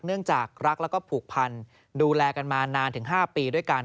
เนื่องจากรักแล้วก็ผูกพันดูแลกันมานานถึง๕ปีด้วยกัน